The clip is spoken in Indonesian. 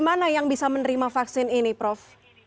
mana yang bisa menerima vaksin ini prof